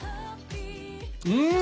うん！